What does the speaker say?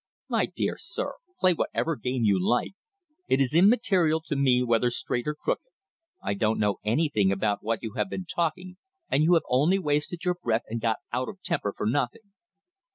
"My dear sir, play whatever game you like. It is immaterial to me whether straight or crooked. I don't know anything about what you have been talking, and you have only wasted your breath and got out of temper for nothing."